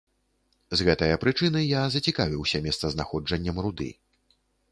З гэтае прычыны я зацікавіўся месцазнаходжаннем руды.